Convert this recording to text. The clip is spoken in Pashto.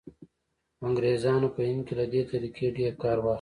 انګریزانو په هند کې له دې طریقې ډېر کار واخیست.